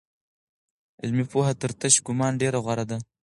علمي پوهه تر تش ګومان ډېره غوره ده.